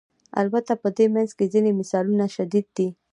البته په دې منځ کې ځینې مثالونه شدید دي.